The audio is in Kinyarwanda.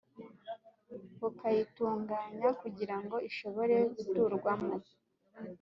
ukayitunganya kugira ngo ishobore guturwamo